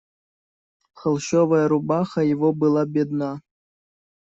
Холщовая рубаха его была бедна.